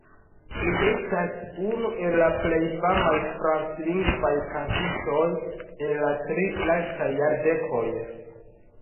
Li estas unu el la plej famaj franclingvaj kantistoj el la tri lastaj jardekoj.